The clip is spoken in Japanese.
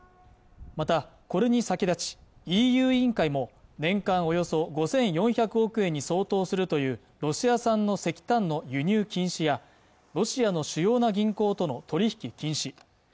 またこれに先立ちＥＵ委員会も年間およそ５４００億円に相当するというロシア産の石炭の輸入禁止やロシアの主要な銀行との取引禁止